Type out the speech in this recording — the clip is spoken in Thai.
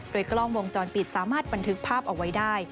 โดยกล้องวงจรปิดสามารถบันทึกภาพเอาไว้ได้